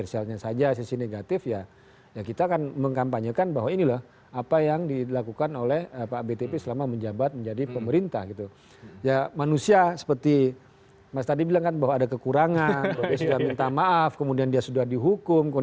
saya kira tidak bisa dihilangkan